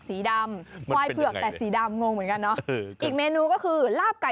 อีกเมนูก็คือ